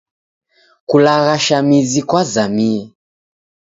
Kulaghasha mizi kwazamie.